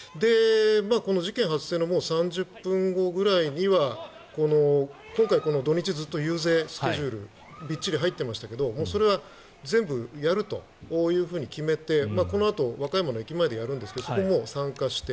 この事件発生の３０分後くらいには今回、土日ずっと遊説スケジュールがびっちり入っていましたがそれは全部やると決めてこのあと和歌山の駅前でやるんですけどそこも参加して。